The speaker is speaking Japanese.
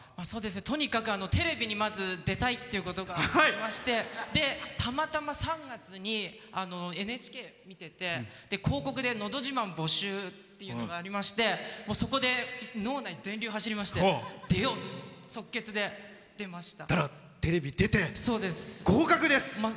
とにかくテレビに出たいということがありましてたまたま３月にＮＨＫ見てて広告で「のど自慢募集」っていうのがありましてそこで、脳内に電流が走りましてテレビ出て合格です。